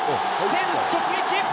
フェンス直撃。